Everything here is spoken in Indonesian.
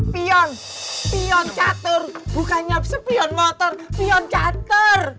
pion pion catur bukannya sepion motor pion canter